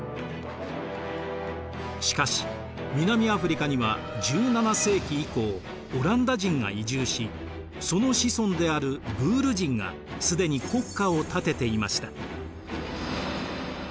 しかし南アフリカには１７世紀以降オランダ人が移住しその子孫であるブール人が既に国家を建てていました。